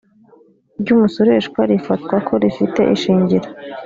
ry umusoreshwa rifatwa ko rifite ishingiro